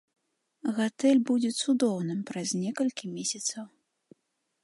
Гатэль будзе цудоўным праз некалькі месяцаў.